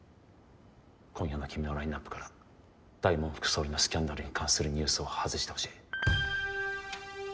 今夜の君のラインアップから大門副総理のスキャンダルに関するニュースを外してほしい。